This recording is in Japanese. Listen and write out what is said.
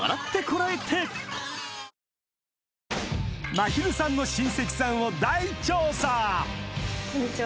まひるさんの親戚さんを大調査こんにちは。